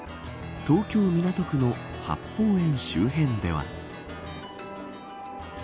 東京、港区の八芳園周辺では。